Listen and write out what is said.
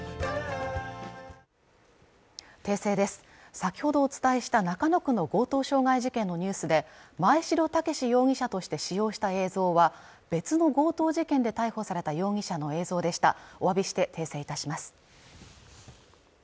先ほどお伝えした中野区の強盗傷害事件のニュースで真栄城健容疑者として使用した映像は別の強盗事件で逮捕された容疑者の映像でしたお詫びして訂正いたします